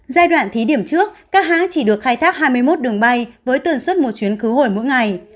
giai đoạn thí điểm trước các hãng chỉ được khai thác hai mươi một đường bay với tần suất một chuyến khứ hồi mỗi ngày